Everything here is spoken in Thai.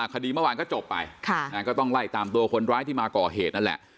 คดีเมื่อวานก็จบไปก็ต้องไล่ตามตัวคนร้ายที่มาก่อเหตุนั่นแหละ